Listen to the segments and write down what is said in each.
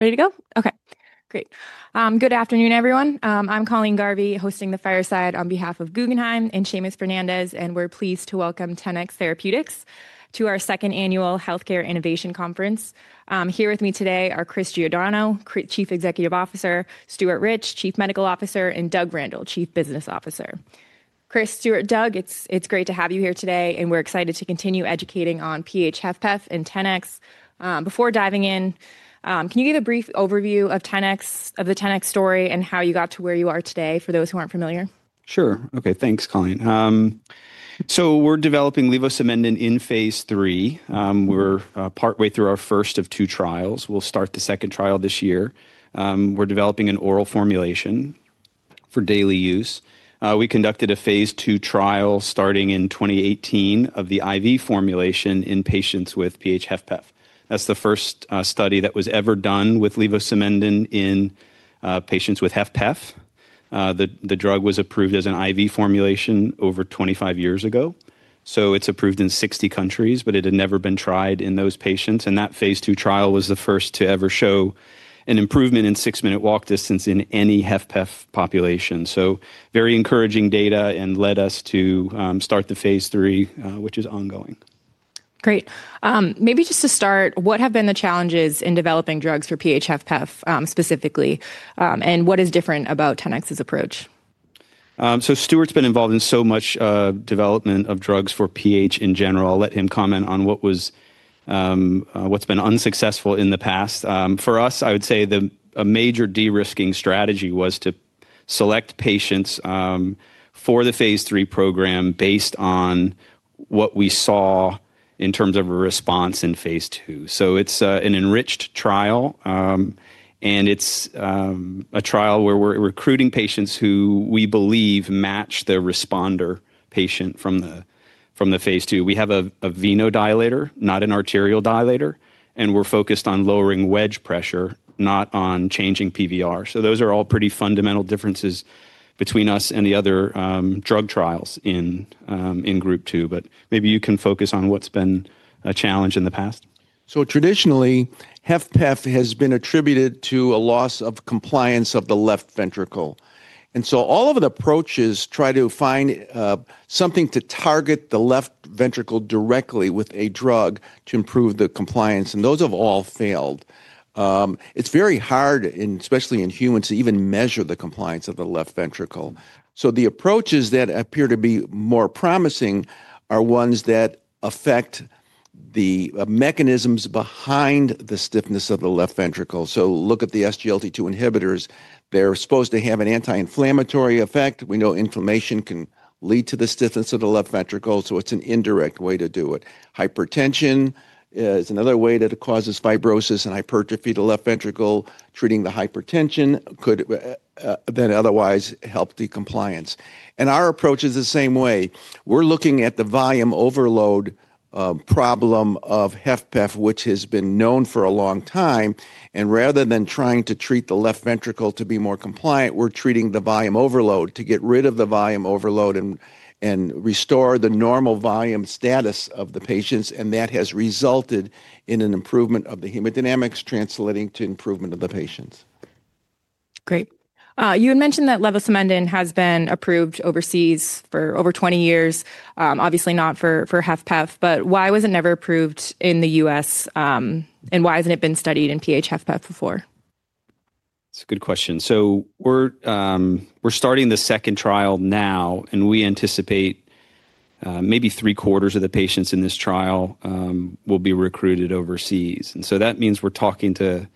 Ready to go? Okay, great. Good afternoon, everyone. I'm Colleen Garvey, hosting the Fireside on behalf of Guggenheim and Seamus Fernandez, and we're pleased to welcome Tenax Therapeutics to our second annual Healthcare innovation conference. Here with me today are Chris Giordano, Chief Executive Officer; Stuart Rich, Chief Medical Officer; and Doug Randall, Chief Business Officer. Chris, Stuart, Doug, it's great to have you here today, and we're excited to continue educating on PH-HFpEF and Tenax. Before diving in, can you give a brief overview of the Tenax story and how you got to where you are today, for those who aren't familiar? Sure. Okay, thanks, Colleen. So we're developing Levosimendan in phase three. We're partway through our first of two trials. We'll start the second trial this year. We're developing an oral formulation for daily use. We conducted a phase two trial starting in 2018 of the IV formulation in patients with PH-HFpEF. That's the first study that was ever done with Levosimendan in patients with HFpEF. The drug was approved as an IV formulation over 25 years ago. It's approved in 60 countries, but it had never been tried in those patients. That phase two trial was the first to ever show an improvement in six-minute walk distance in any HFpEF population. Very encouraging data and led us to start the phase three, which is ongoing. Great. Maybe just to start, what have been the challenges in developing drugs for PH-HFpEF specifically, and what is different about Tenax's approach? Stuart's been involved in so much development of drugs for PH in general. I'll let him comment on what's been unsuccessful in the past. For us, I would say the major de-risking strategy was to select patients for the phase three program based on what we saw in terms of a response in phase two. It's an enriched trial, and it's a trial where we're recruiting patients who we believe match the responder patient from the phase two. We have a venodilator, not an arterial dilator, and we're focused on lowering wedge pressure, not on changing PVR. Those are all pretty fundamental differences between us and the other drug trials in group two. Maybe you can focus on what's been a challenge in the past. Traditionally, HFpEF has been attributed to a loss of compliance of the left ventricle. All of the approaches try to find something to target the left ventricle directly with a drug to improve the compliance, and those have all failed. It is very hard, especially in humans, to even measure the compliance of the left ventricle. The approaches that appear to be more promising are ones that affect the mechanisms behind the stiffness of the left ventricle. Look at the SGLT2 inhibitors. They are supposed to have an anti-inflammatory effect. We know inflammation can lead to the stiffness of the left ventricle, so it is an indirect way to do it. Hypertension is another way that causes fibrosis and hypertrophy of the left ventricle. Treating the hypertension could then otherwise help the compliance. Our approach is the same way. We're looking at the volume overload problem of HFpEF, which has been known for a long time. Rather than trying to treat the left ventricle to be more compliant, we're treating the volume overload to get rid of the volume overload and restore the normal volume status of the patients. That has resulted in an improvement of the hemodynamics, translating to improvement of the patients. Great. You had mentioned that Levosimendan has been approved overseas for over 20 years, obviously not for HFpEF, but why was it never approved in the U.S., and why hasn't it been studied in PH-HFpEF before? That's a good question. We're starting the second trial now, and we anticipate maybe three-quarters of the patients in this trial will be recruited overseas. That means we're talking to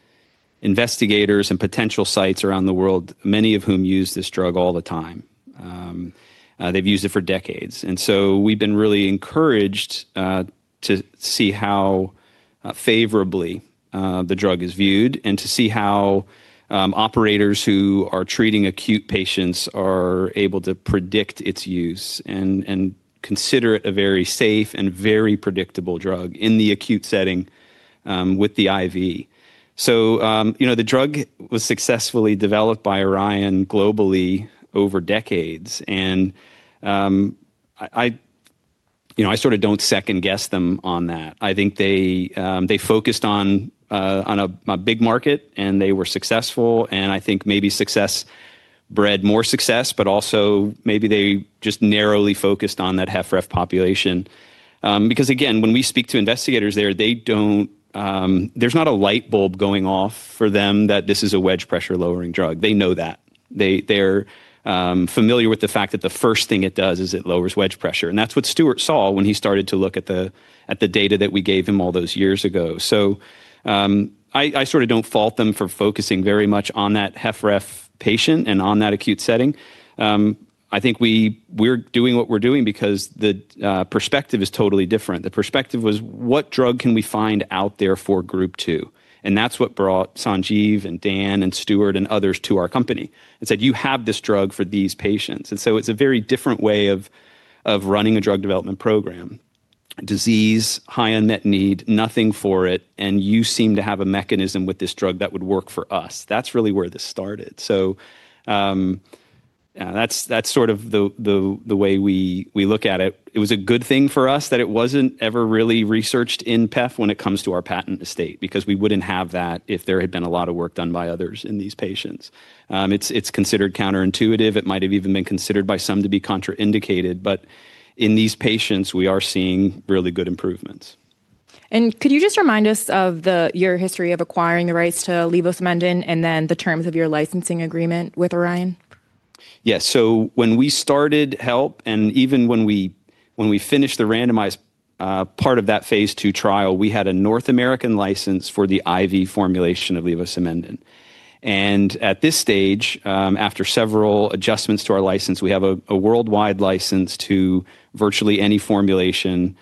investigators and potential sites around the world, many of whom use this drug all the time. They've used it for decades. We've been really encouraged to see how favorably the drug is viewed and to see how operators who are treating acute patients are able to predict its use and consider it a very safe and very predictable drug in the acute setting with the IV. The drug was successfully developed by Orion globally over decades, and I sort of don't second-guess them on that. I think they focused on a big market, and they were successful. I think maybe success bred more success, but also maybe they just narrowly focused on that HFpEF population. Because again, when we speak to investigators there, there's not a light bulb going off for them that this is a wedge pressure-lowering drug. They know that. They're familiar with the fact that the first thing it does is it lowers wedge pressure. That's what Stuart saw when he started to look at the data that we gave him all those years ago. I sort of don't fault them for focusing very much on that HFpEF patient and on that acute setting. I think we're doing what we're doing because the perspective is totally different. The perspective was, what drug can we find out there for group two? That is what brought Sanjeev and Dan and Stuart and others to our company and said, "You have this drug for these patients." It is a very different way of running a drug development program. Disease, high unmet need, nothing for it, and you seem to have a mechanism with this drug that would work for us. That is really where this started. That is sort of the way we look at it. It was a good thing for us that it was not ever really researched in PEF when it comes to our patent estate because we would not have that if there had been a lot of work done by others in these patients. It is considered counterintuitive. It might have even been considered by some to be contraindicated, but in these patients, we are seeing really good improvements. Could you just remind us of your history of acquiring the rights to levosimendan and then the terms of your licensing agreement with Orion? Yes. When we started HELP, and even when we finished the randomized part of that phase two trial, we had a North American license for the IV formulation of levosimendan. At this stage, after several adjustments to our license, we have a worldwide license to virtually any formulation.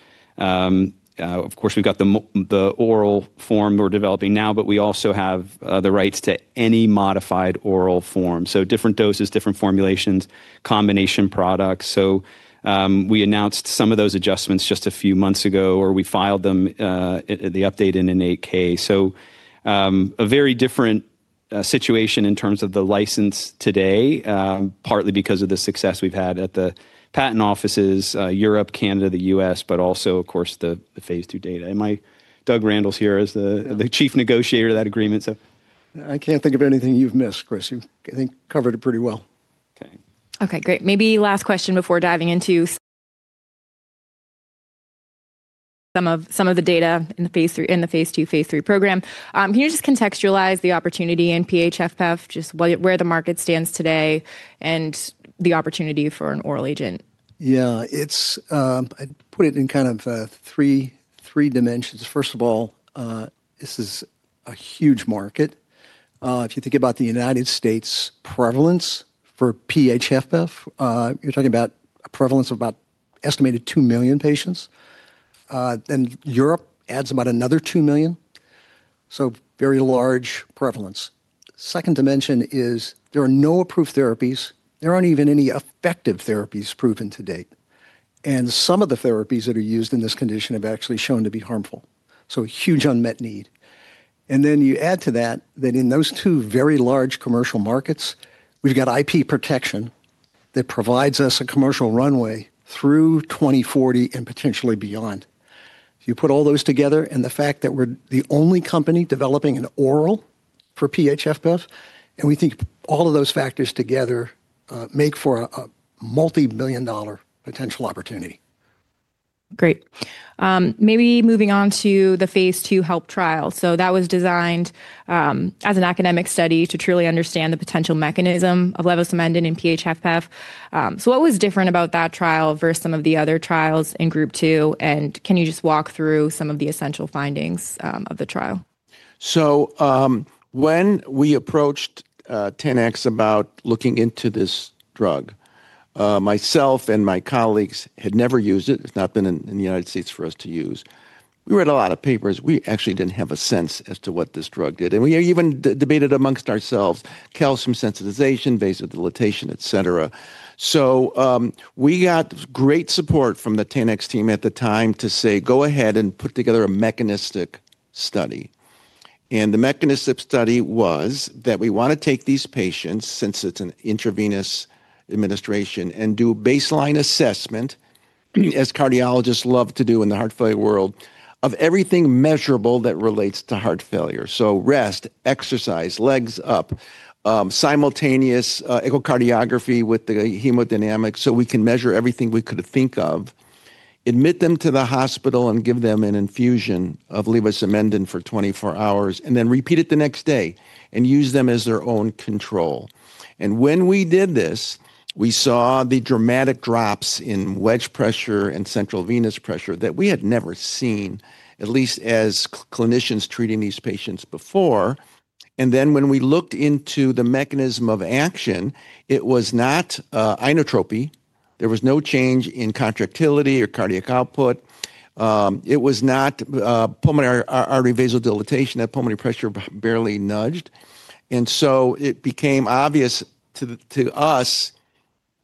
Of course, we've got the oral form we're developing now, but we also have the rights to any modified oral form. Different doses, different formulations, combination products. We announced some of those adjustments just a few months ago, or we filed the update in an 8-K. It is a very different situation in terms of the license today, partly because of the success we've had at the patent offices, Europe, Canada, the United States, but also, of course, the phase two data. Doug Randall's here as the Chief Business Officer and chief negotiator of that agreement. I can't think of anything you've missed, Chris. You've, I think, covered it pretty well. Okay. Okay, great. Maybe last question before diving into some of the data in the phase two, phase three program. Can you just contextualize the opportunity in PH-HFpEF, just where the market stands today and the opportunity for an oral agent? Yeah, I'd put it in kind of three dimensions. First of all, this is a huge market. If you think about the U.S. prevalence for PH-HFpEF, you're talking about a prevalence of about an estimated two million patients. Europe adds about another two million. Very large prevalence. Second dimension is there are no approved therapies. There aren't even any effective therapies proven to date. Some of the therapies that are used in this condition have actually shown to be harmful. Huge unmet need. You add to that that in those two very large commercial markets, we've got IP protection that provides us a commercial runway through 2040 and potentially beyond. If you put all those together and the fact that we're the only company developing an oral for PH-HFpEF, and we think all of those factors together make for a multi-million dollar potential opportunity. Great. Maybe moving on to the phase two HELP trial. That was designed as an academic study to truly understand the potential mechanism of levosimendan in PH-HFpEF. What was different about that trial versus some of the other trials in group two? Can you just walk through some of the essential findings of the trial? When we approached Tenax about looking into this drug, myself and my colleagues had never used it. It's not been in the United States for us to use. We read a lot of papers. We actually didn't have a sense as to what this drug did. We even debated amongst ourselves, calcium sensitization, vasodilatation, et cetera. We got great support from the Tenax team at the time to say, "Go ahead and put together a mechanistic study." The mechanistic study was that we want to take these patients, since it's an intravenous administration, and do baseline assessment, as cardiologists love to do in the heart failure world, of everything measurable that relates to heart failure. Rest, exercise, legs up, simultaneous echocardiography with the hemodynamics so we can measure everything we could think of, admit them to the hospital and give them an infusion of levosimendan for 24 hours, and then repeat it the next day and use them as their own control. When we did this, we saw the dramatic drops in wedge pressure and central venous pressure that we had never seen, at least as clinicians treating these patients before. When we looked into the mechanism of action, it was not inotropy. There was no change in contractility or cardiac output. It was not pulmonary artery vasodilatation; that pulmonary pressure barely nudged. It became obvious to us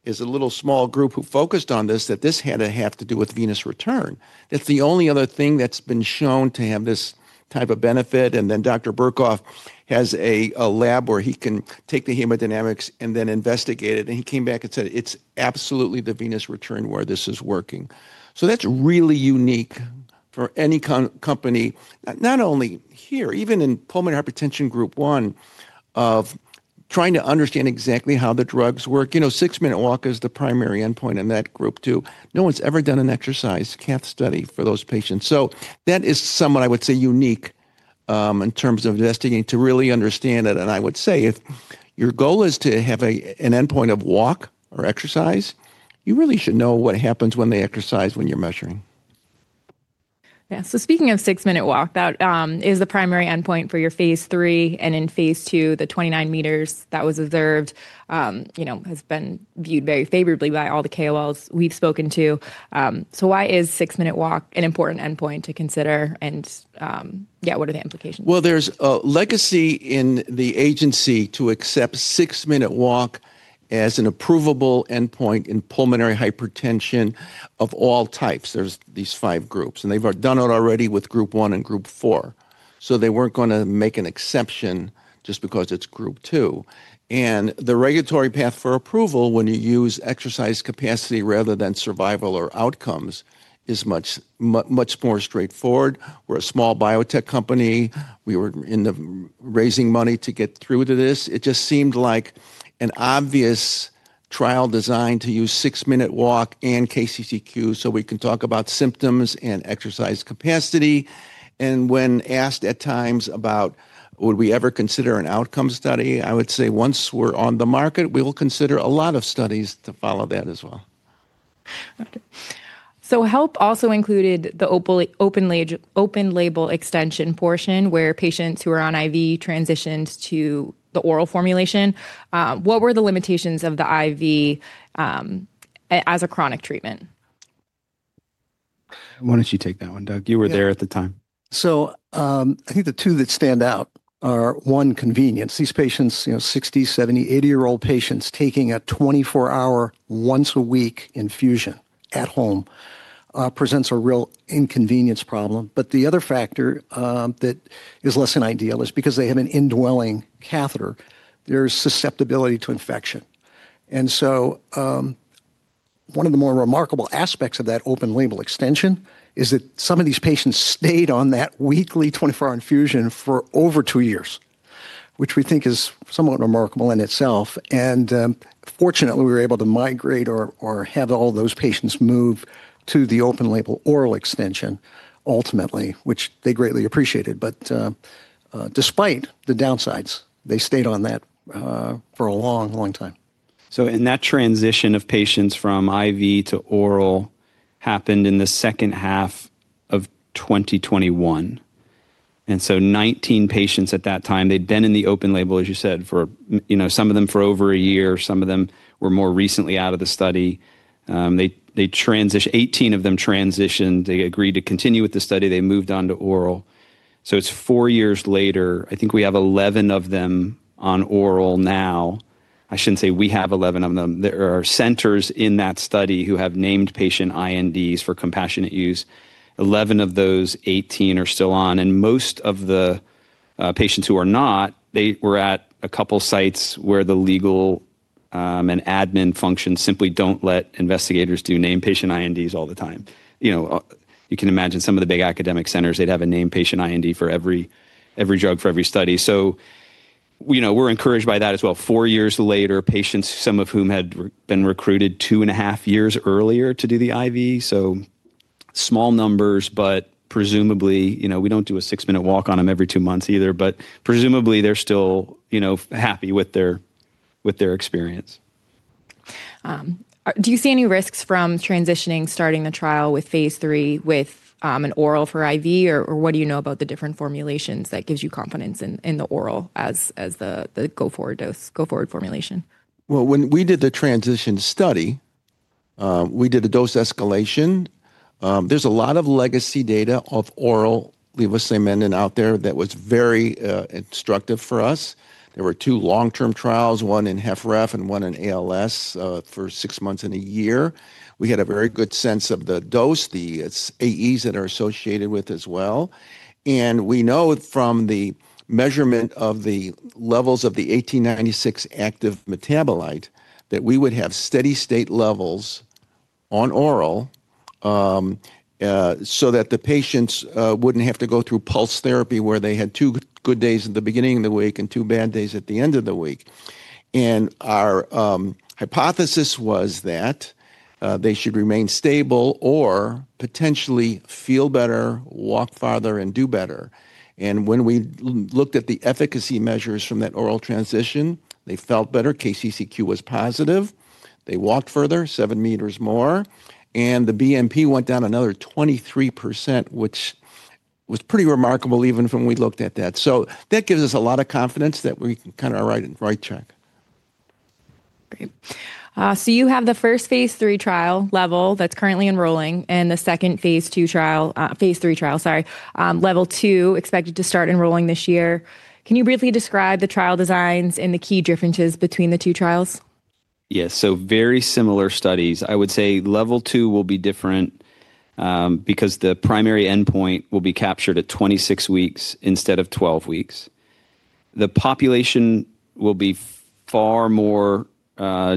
as a little small group who focused on this that this had to have to do with venous return. That's the only other thing that's been shown to have this type of benefit. Then Dr. Berkoff has a lab where he can take the hemodynamics and then investigate it. He came back and said, "It's absolutely the venous return where this is working." That's really unique for any company, not only here, even in pulmonary hypertension group one, of trying to understand exactly how the drugs work. You know, six-minute walk is the primary endpoint in that group two. No one's ever done an exercise cath study for those patients. That is somewhat, I would say, unique in terms of investigating to really understand it. I would say if your goal is to have an endpoint of walk or exercise, you really should know what happens when they exercise when you're measuring. Yeah. So speaking of six-minute walk, that is the primary endpoint for your phase three. In phase two, the 29 meters that was observed has been viewed very favorably by all the KOLs we've spoken to. Why is six-minute walk an important endpoint to consider? Yeah, what are the implications? There is a legacy in the agency to accept six-minute walk as an approvable endpoint in pulmonary hypertension of all types. There are these five groups, and they have done it already with group one and group four. They were not going to make an exception just because it is group two. The regulatory path for approval when you use exercise capacity rather than survival or outcomes is much more straightforward. We are a small biotech company. We were raising money to get through to this. It just seemed like an obvious trial designed to use six-minute walk and KCCQ so we can talk about symptoms and exercise capacity. When asked at times about would we ever consider an outcome study, I would say once we are on the market, we will consider a lot of studies to follow that as well. HELP also included the open label extension portion where patients who are on IV transitioned to the oral formulation. What were the limitations of the IV as a chronic treatment? Why don't you take that one, Doug? You were there at the time. I think the two that stand out are, one, convenience. These patients, 60, 70, 80-year-old patients taking a 24-hour, once-a-week infusion at home presents a real inconvenience problem. The other factor that is less than ideal is because they have an indwelling catheter. There's susceptibility to infection. One of the more remarkable aspects of that open label extension is that some of these patients stayed on that weekly 24-hour infusion for over two years, which we think is somewhat remarkable in itself. Fortunately, we were able to migrate or have all those patients move to the open label oral extension ultimately, which they greatly appreciated. Despite the downsides, they stayed on that for a long, long time. In that transition of patients from IV to oral happened in the second half of 2021. Nineteen patients at that time, they'd been in the open label, as you said, for some of them for over a year. Some of them were more recently out of the study. Eighteen of them transitioned. They agreed to continue with the study. They moved on to oral. It's four years later. I think we have 11 of them on oral now. I shouldn't say we have 11 of them. There are centers in that study who have named patient INDs for compassionate use. Eleven of those 18 are still on. Most of the patients who are not, they were at a couple of sites where the legal and admin functions simply don't let investigators do named patient INDs all the time. You can imagine some of the big academic centers, they'd have a named patient IND for every drug for every study. We are encouraged by that as well. Four years later, patients, some of whom had been recruited two and a half years earlier to do the IV. Small numbers, but presumably, we do not do a six-minute walk on them every two months either, but presumably ,they are still happy with their experience. Do you see any risks from transitioning, starting the trial with phase three with an oral for IV, or what do you know about the different formulations that gives you confidence in the oral as the go-forward formulation? When we did the transition study, we did a dose escalation. There's a lot of legacy data of oral Levosimendan out there that was very instructive for us. There were two long-term trials, one in HFrEF and one in ALS for six months and a year. We had a very good sense of the dose, the AEs that are associated with as well. We know from the measurement of the levels of the 1896 active metabolite that we would have steady state levels on oral so that the patients would not have to go through pulse therapy where they had two good days at the beginning of the week and two bad days at the end of the week. Our hypothesis was that they should remain stable or potentially feel better, walk farther, and do better. When we looked at the efficacy measures from that oral transition, they felt better. KCCQ was positive. They walked further, seven meters more, and the BNP went down another 23%, which was pretty remarkable even when we looked at that. That gives us a lot of confidence that we can kind of write check. Great. You have the first phase 3 trial, Level, that's currently enrolling and the second phase 3 trial, Level 2, expected to start enrolling this year. Can you briefly describe the trial designs and the key differences between the two trials? Yes. Very similar studies. I would say level 2 will be different because the primary endpoint will be captured at 26 weeks instead of 12 weeks. The population will be far more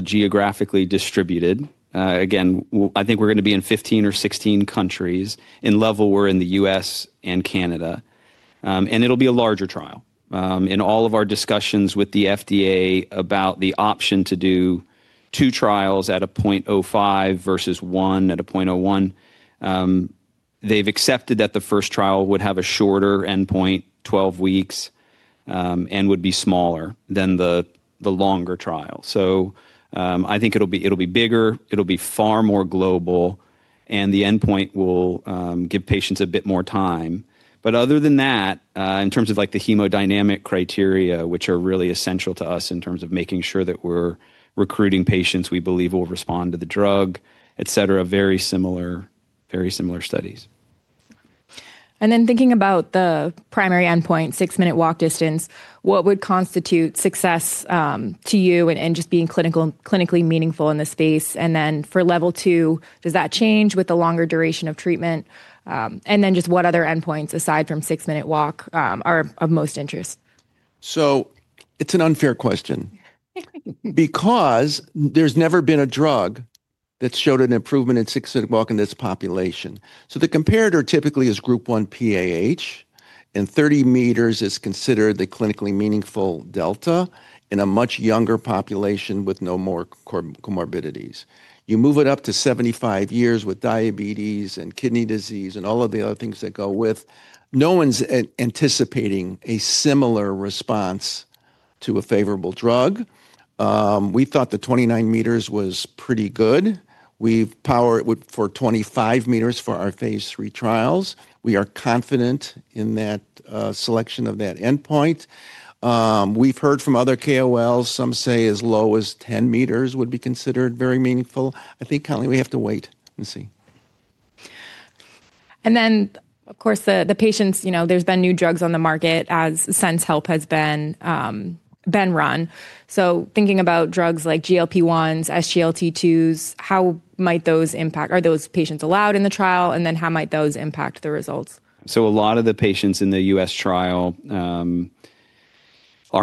geographically distributed. Again, I think we're going to be in 15 or 16 countries in level where in the U.S. and Canada. It'll be a larger trial. In all of our discussions with the FDA about the option to do two trials at a 0.05 versus one at a 0.01, they've accepted that the first trial would have a shorter endpoint, 12 weeks, and would be smaller than the longer trial. I think it'll be bigger. It'll be far more global, and the endpoint will give patients a bit more time. Other than that, in terms of the hemodynamic criteria, which are really essential to us in terms of making sure that we're recruiting patients we believe will respond to the drug, et cetera, very similar studies. Thinking about the primary endpoint, six-minute walk distance, what would constitute success to you and just being clinically meaningful in this space? For level two, does that change with the longer duration of treatment? What other endpoints aside from six-minute walk are of most interest? It's an unfair question because there's never been a drug that showed an improvement in six-minute walk in this population. The comparator typically is group 1 PAH, and 30 meters is considered the clinically meaningful delta in a much younger population with no more comorbidities. You move it up to 75 years with diabetes and kidney disease and all of the other things that go with, no one's anticipating a similar response to a favorable drug. We thought the 29 meters was pretty good. We've powered it for 25 meters for our phase 3 trials. We are confident in that selection of that endpoint. We've heard from other KOLs, some say as low as 10 meters would be considered very meaningful. I think, kind of, we have to wait and see. Of course, the patients, there's been new drugs on the market as since HELP has been run. Thinking about drugs like GLP-1s, SGLT2s, how might those impact? Are those patients allowed in the trial? How might those impact the results? A lot of the patients in the U.S. trial are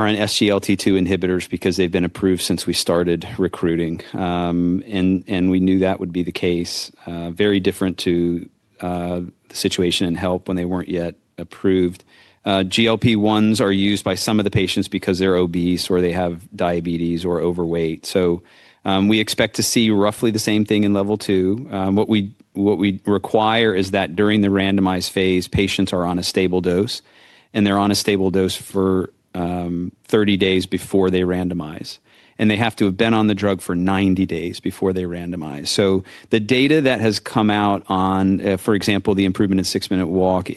on SGLT2 inhibitors because they've been approved since we started recruiting. We knew that would be the case. Very different to the situation in HELP when they weren't yet approved. GLP-1s are used by some of the patients because they're obese or they have diabetes or overweight. We expect to see roughly the same thing in level two. What we require is that during the randomized phase, patients are on a stable dose, and they're on a stable dose for 30 days before they randomize. They have to have been on the drug for 90 days before they randomize. The data that has come out on, for example, the improvement in six-minute walk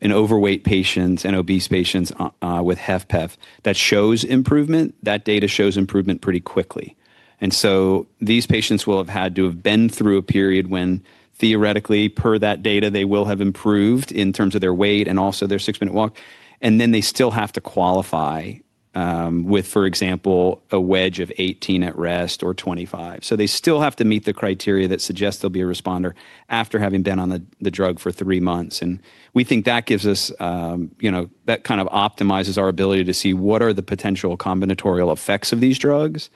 in overweight patients and obese patients with HFpEF, that shows improvement. That data shows improvement pretty quickly. These patients will have had to have been through a period when theoretically, per that data, they will have improved in terms of their weight and also their six-minute walk. They still have to qualify with, for example, a wedge of 18 at rest or 25. They still have to meet the criteria that suggests they'll be a responder after having been on the drug for three months. We think that gives us, that kind of optimizes our ability to see what are the potential combinatorial effects of these drugs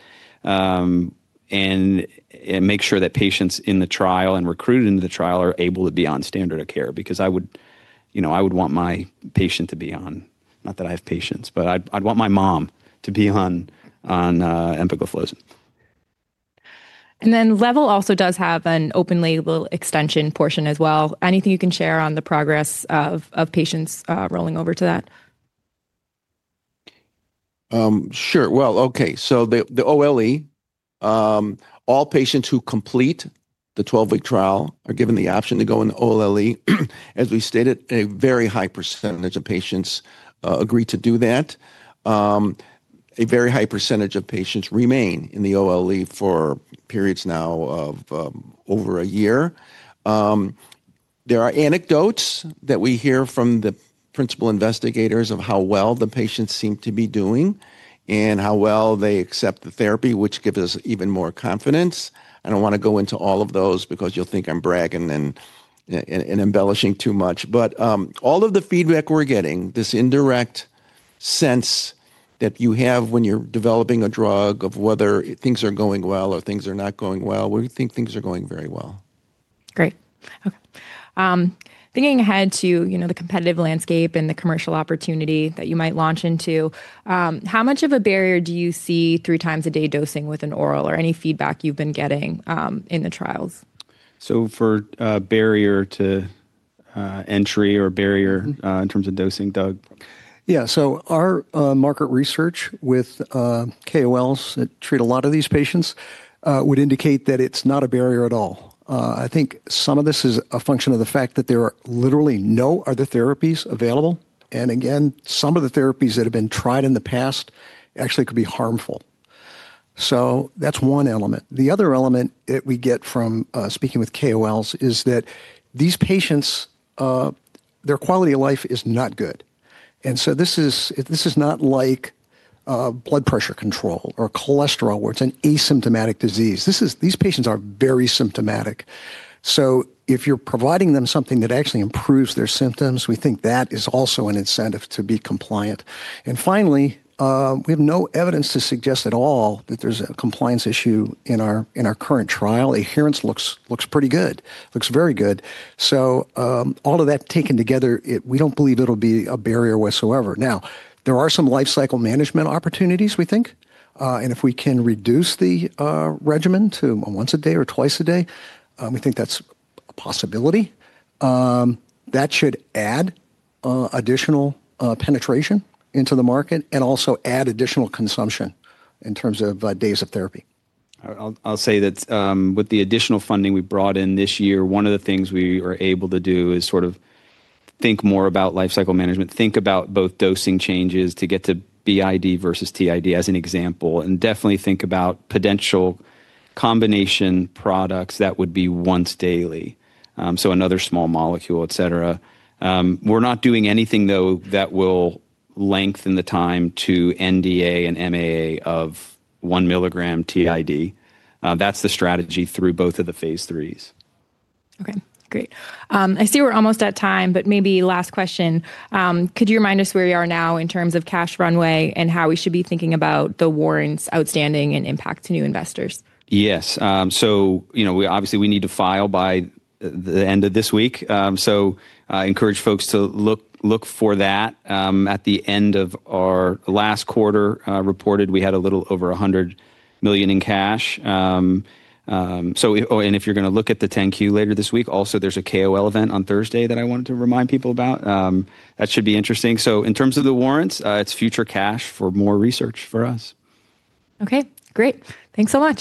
and make sure that patients in the trial and recruited into the trial are able to be on standard of care because I would want my patient to be on, not that I have patients, but I'd want my mom to be on empagliflozin. Level also does have an open label extension portion as well. Anything you can share on the progress of patients rolling over to that? Sure. Okay. The OLE, all patients who complete the 12-week trial are given the option to go in the OLE. As we stated, a very high percentage of patients agreed to do that. A very high percentage of patients remain in the OLE for periods now of over a year. There are anecdotes that we hear from the principal investigators of how well the patients seem to be doing and how well they accept the therapy, which gives us even more confidence. I do not want to go into all of those because you will think I am bragging and embellishing too much. All of the feedback we are getting, this indirect sense that you have when you are developing a drug of whether things are going well or things are not going well, we think things are going very well. Great. Okay. Thinking ahead to the competitive landscape and the commercial opportunity that you might launch into, how much of a barrier do you see three times a day dosing with an oral or any feedback you've been getting in the trials? For barrier to entry or barrier in terms of dosing, Doug? Yeah. Our market research with KOLs that treat a lot of these patients would indicate that it's not a barrier at all. I think some of this is a function of the fact that there are literally no other therapies available. Again, some of the therapies that have been tried in the past actually could be harmful. That's one element. The other element that we get from speaking with KOLs is that these patients, their quality of life is not good. This is not like blood pressure control or cholesterol where it's an asymptomatic disease. These patients are very symptomatic. If you're providing them something that actually improves their symptoms, we think that is also an incentive to be compliant. Finally, we have no evidence to suggest at all that there's a compliance issue in our current trial. Adherence looks pretty good. Looks very good. All of that taken together, we don't believe it'll be a barrier whatsoever. Now, there are some lifecycle management opportunities, we think. If we can reduce the regimen to once a day or twice a day, we think that's a possibility. That should add additional penetration into the market and also add additional consumption in terms of days of therapy. I'll say that with the additional funding we brought in this year, one of the things we were able to do is sort of think more about lifecycle management, think about both dosing changes to get to BID versus TID as an example, and definitely think about potential combination products that would be once daily. Another small molecule, et cetera. We're not doing anything, though, that will lengthen the time to NDA and MAA of 1 milligram TID. That's the strategy through both of the phase threes. Okay. Great. I see we're almost at time, but maybe last question. Could you remind us where we are now in terms of cash runway and how we should be thinking about the warrants outstanding and impact to new investors? Yes. Obviously, we need to file by the end of this week. I encourage folks to look for that. At the end of our last quarter reported, we had a little over $100 million in cash. If you're going to look at the 10Q later this week, also there's a KOL event on Thursday that I wanted to remind people about. That should be interesting. In terms of the warrants, it's future cash for more research for us. Okay. Great. Thanks so much.